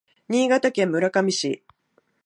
新潟県村上市